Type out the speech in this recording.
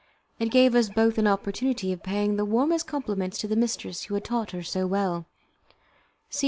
It gave us both an opportunity of paying the warmest compliments to the mistress who had taught her so well.